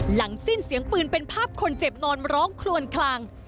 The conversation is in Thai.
หลังสิ้นเสียงปืนเป็นภาพคนเจ็บนอนร้องคลวนคลัง